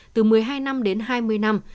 từ một mươi hai năm đến hai mươi năm